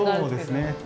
そうですね。